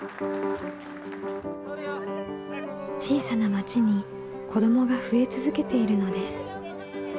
小さな町に子どもが増え続けているのです。